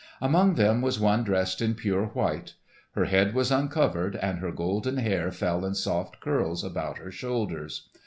Among them was one dressed in pure white. Her head was uncovered, and her golden hair fell in soft curls about her shoulders.